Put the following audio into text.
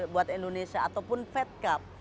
buat indonesia ataupun fed cup